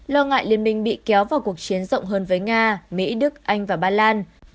lo ngại liên minh bị kéo vào cuộc chiến rộng hơn với nga mỹ đức anh và ba lan